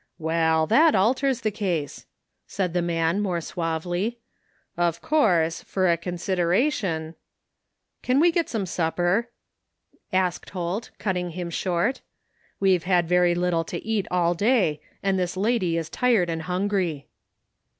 "Wal, that alters the case," said the man more suavely, " of course, fer a consideration "" Can we get some supper?" asked Holt, cutting him short " We've had very little to eat all day, and this lady is tired and hungry."